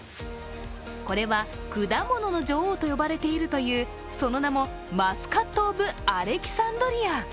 これは果物の女王と呼ばれているというその名もマスカット・オブ・アレキサンドリア。